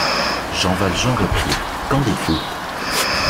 Jean Valjean reprit: — Qu’en dites-vous?